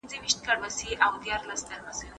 سندرې د خبرو رواني بڼه بېرته ترلاسه کوي.